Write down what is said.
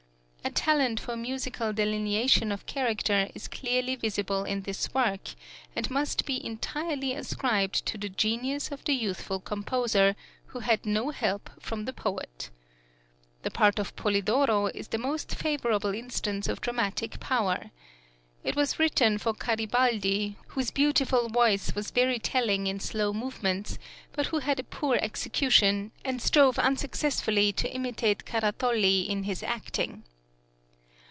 A talent for musical delineation of character is clearly visible in this work, and must be entirely ascribed to the genius of the youthful composer, who had no help from the poet. The part of Polidoro is the most favourable instance of dramatic power. It was written for Caribaldi, whose beautiful voice was very telling in slow movements, but who had a poor execution, and strove unsuccessfully to imitate Caratoli in his acting.